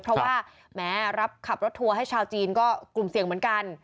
เพราะว่าแม้รับขับรถทัวร์ให้ชาวจีนก็กลุ่มเสี่ยงเหมือนกัน